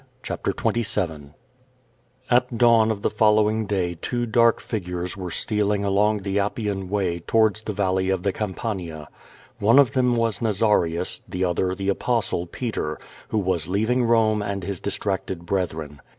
CHAPTER XXVIL At dawn of the following day two dark figures were stealing along the Appiaft Way towards the valley of the Campania. One of them was Nazarius, the other the Apostle, Peter, who was leaving Rome and his distracted brethren.